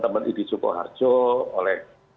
teman teman ini cukup harco oleh publik luas